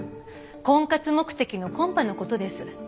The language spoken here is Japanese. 婚活目的のコンパの事です。